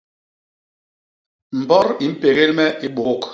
Mbot i mpégél me i bôbôk.